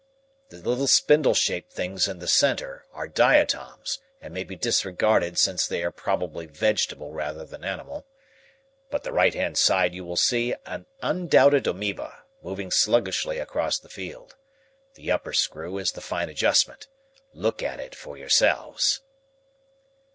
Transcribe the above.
The little spindle shaped things in the centre are diatoms and may be disregarded since they are probably vegetable rather than animal. But the right hand side you will see an undoubted amoeba, moving sluggishly across the field. The upper screw is the fine adjustment. Look at it for yourselves."